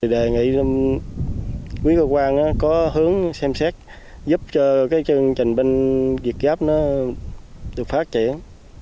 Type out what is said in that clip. đề nghị quý cơ quan có hướng xem xét giúp cho chương trình bên việt gáp được phát triển